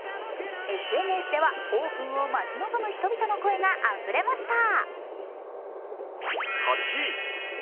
ＳＮＳではオープンを待ち望む人々の声があふれました。